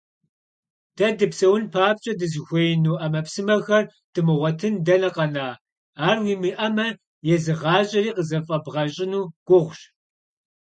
Дэ дыпсэун папщӀэ дызыхуеину Ӏэмэпсымэхэр дымыгъуэтын дэнэ къэна, ар уимыӀэмэ, езы гъащӀэри къызыфӀэбгъэщӀыну гугъущ.